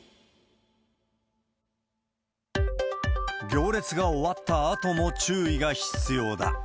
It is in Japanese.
行列が終わったあとも注意が必要だ。